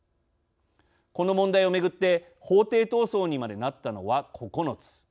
この問題をめぐって法廷闘争にまでなったのは９つ。